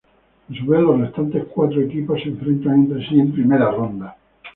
A su vez, los restantes cuatro equipos se enfrentan entre sí en primera ronda.